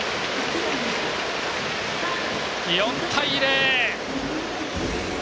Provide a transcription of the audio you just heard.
４対０。